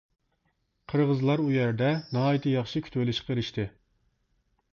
قىرغىزلار ئۇيەردە ناھايىتى ياخشى كۈتۈۋېلىشقا ئېرىشتى.